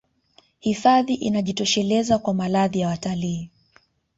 hifadhi inajitosheleza kwa malazi ya watalii